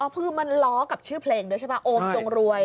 คือมันล้อกับชื่อเพลงด้วยใช่ไหมโอมจงรวย